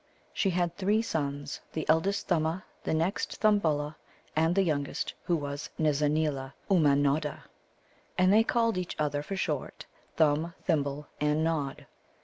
She had three sons, the eldest Thumma, the next Thimbulla, and the youngest, who was a Nizza neela, Ummanodda. And they called each other for short, Thumb, Thimble, and Nod.